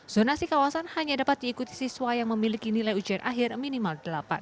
zonasi kawasan hanya dapat diikuti siswa yang memiliki nilai ujian akhir minimal delapan